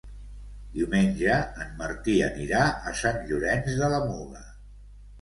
Diumenge en Martí anirà a Sant Llorenç de la Muga.